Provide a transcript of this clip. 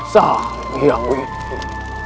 sang iyam wipu